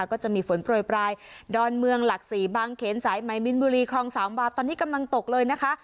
ก็จะมีฝนโปรยปลายดอนเมืองหลัก๔บางเขนสายไหมมินบุรีคลองสามวาตอนนี้กำลังตกเลยนะคะ